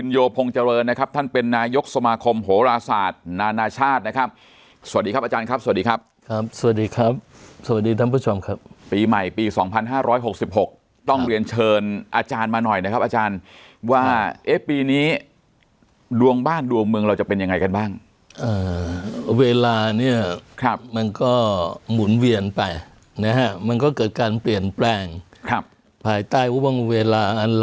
นานาชาตินะครับสวัสดีครับอาจารย์ครับสวัสดีครับครับสวัสดีครับสวัสดีทั้งผู้ชมครับปีใหม่ปีสองพันห้าร้อยหกสิบหกต้องเรียนเชิญอาจารย์มาหน่อยนะครับอาจารย์ว่าเอ๊ะปีนี้ดวงบ้านดวงเมืองเราจะเป็นยังไงกันบ้างเอ่อเวลานี่ครับมันก็หมุนเวียนไปนะฮะมันก็เกิดการเปลี่ยนแปลงครับภายใต้ว่า